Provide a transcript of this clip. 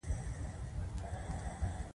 که چیرې کم شي هایپوژي نومېږي.